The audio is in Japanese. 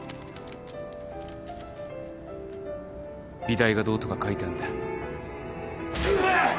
美大がどうとか書いてあんだ。